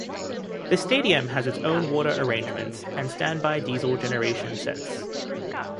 The stadium has its own water arrangements and standby diesel generation sets.